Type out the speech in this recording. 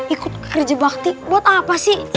ikut kerja bakti buat apa sih